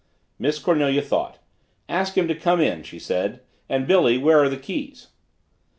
Miss Cornelia thought. "Ask him to come in," she said. "And Billy where are the keys?"